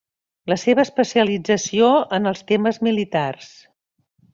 La seva especialització en els temes militars.